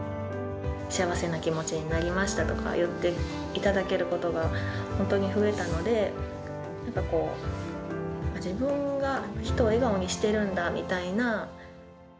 幸せな気持ちになりましたとか言っていただけることが本当に増えたので、なんかこう、自分が人を笑顔にしてるんだみたいな。